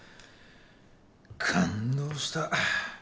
感動した。